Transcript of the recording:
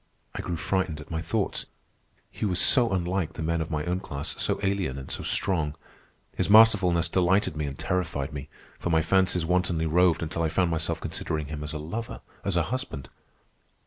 I grew frightened at my thoughts. He was so unlike the men of my own class, so alien and so strong. His masterfulness delighted me and terrified me, for my fancies wantonly roved until I found myself considering him as a lover, as a husband.